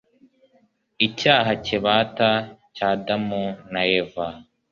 icyaha kibata cya adamu na eva